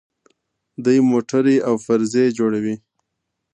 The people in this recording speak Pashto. دوی موټرې او پرزې جوړوي.